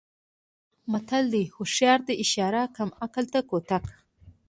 متل دی: هوښیار ته اشاره کم عقل ته کوتک.